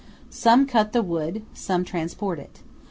Some cut the wood; some transport it.